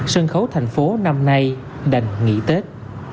sân khấu thành phố năm nay đành nghỉ tết